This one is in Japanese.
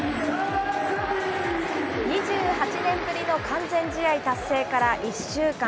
２８年ぶりの完全試合達成から１週間。